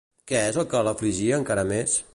Què és el que l'afligia encara més?